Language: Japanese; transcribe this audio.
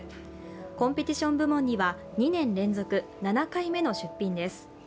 コンペティション部門には２年連続、７回目の出品です。